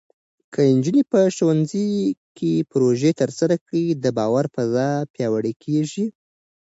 که نجونې په ښوونځي کې پروژې ترسره کړي، د باور فضا پیاوړې کېږي.